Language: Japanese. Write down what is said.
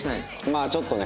まあちょっとね。